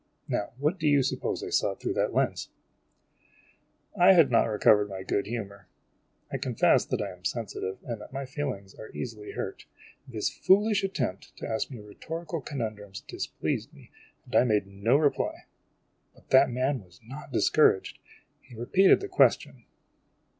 Now what do you suppose I saw through that lens ?" I had not recovered my good humor. I confess that I am sensi tive and that my feelings are easily hurt. This foolish attempt to ask me rhetorical conundrums displeased me, and I made no reply. But that man was not discouraged. He repeated the question.